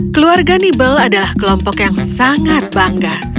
keluarga nibel adalah kelompok yang sangat bangga